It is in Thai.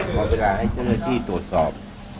เพราะเวลาให้เจ้าหน้าที่ตรวจสอบ